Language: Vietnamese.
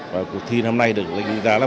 và cuộc thi năm nay được đánh giá là